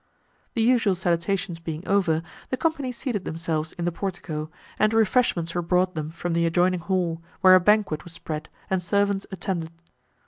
The usual salutations being over, the company seated themselves in the portico, and refreshments were brought them from the adjoining hall, where a banquet was spread, and servants attended.